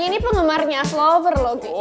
ini pengemarnya aslover loh